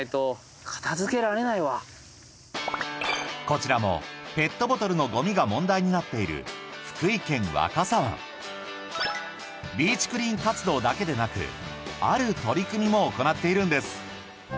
こちらもペットボトルのゴミが問題になっている福井県・若狭湾ビーチクリーン活動だけでなくある取り組みも行っているんです